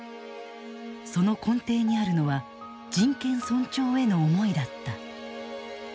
その根底にあるのは人権尊重への思いだった。